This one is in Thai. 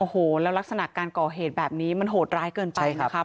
โอ้โหแล้วลักษณะการก่อเหตุแบบนี้มันโหดร้ายเกินไปนะคะ